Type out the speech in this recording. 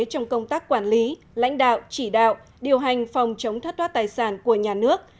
trong công tác quản lý lãnh đạo chỉ đạo điều hành phòng chống thất thoát tài sản của nhà nước